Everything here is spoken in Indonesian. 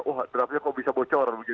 wah draftnya kok bisa bocor